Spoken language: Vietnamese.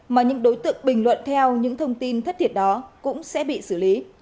mà những đối tượng bình luận theo những thông tin thất thiệt đó cũng sẽ bị xử lý